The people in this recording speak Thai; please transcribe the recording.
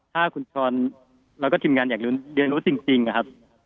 ถ้าคุณชรเราก็ทีมงานอยากเรียนรู้สิ่งนะครับ